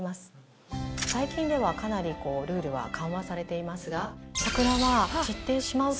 最近ではかなりルールは緩和されていますが。